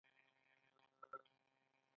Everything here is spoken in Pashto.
دوی ځان د پردیو له منګولو وژغوري.